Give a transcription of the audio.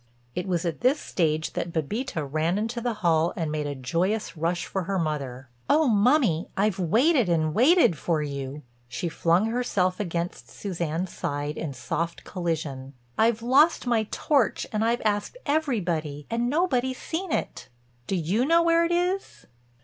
It was at this stage that Bébita ran into the hall and made a joyous rush for her mother: "Oh, Mummy, I've waited and waited for you,"—she flung herself against Suzanne's side in soft collision. "I've lost my torch and I've asked everybody and nobody's seen it. Do you know where it is?"